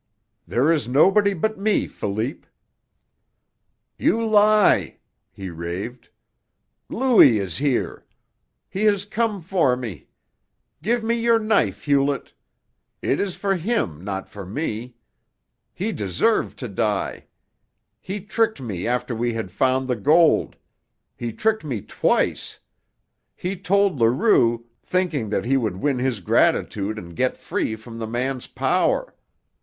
"There is nobody but me, Philippe!" "You lie!" he raved. "Louis is here! He has come for me! Give me your knife, Hewlett. It is for him, not for me. He deserved to die. He tricked me after we had found the gold. He tricked me twice. He told Leroux, thinking that he would win his gratitude and get free from the man's power.